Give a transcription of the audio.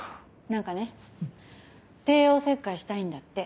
何かね帝王切開したいんだって。